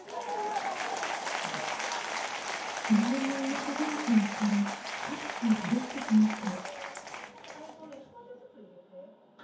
日本の田舎暮らしに惹かれ各地を旅してきました。